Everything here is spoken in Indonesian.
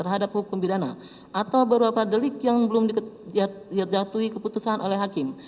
terhadap hukum pidana atau beberapa delik yang belum dijatuhi keputusan oleh hakim